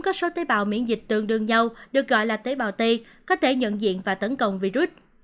có số tế bào miễn dịch tương đương nhau được gọi là tế bào t có thể nhận diện và tấn công virus